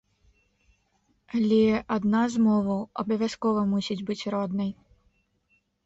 Але адна з моваў абавязкова мусіць быць роднай.